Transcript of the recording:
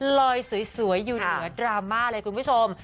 ลอยสวยอยู่เหนือดราม่าเลยคุณผู้ชม